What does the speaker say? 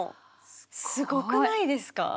すごくないですか？